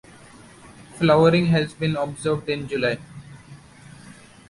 Flowering has been observed in July.